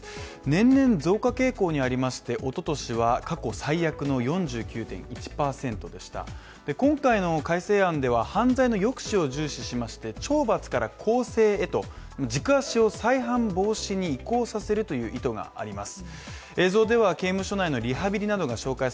年々増加傾向にありまして、一昨年は過去最悪の４９．１％でした今回の改正案では犯罪の抑止を重視しまして懲罰から更生へと軸足を再犯防止に移行させるという意図があります。